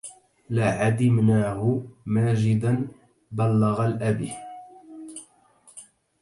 لا عدِمناه ماجداً بلّغ الأب